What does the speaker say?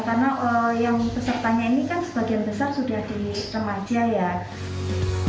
karena yang pesertanya ini kan sebagian besar sudah di remaja ya